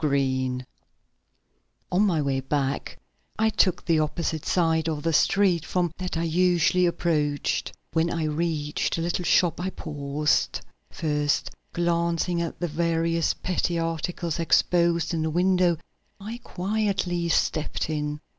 BESS On my way back I took the opposite side of the street from that I usually approached. When I reached the little shop I paused. First glancing at the various petty articles exposed in the window, I quietly stepped in.